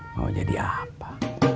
mau jadi apa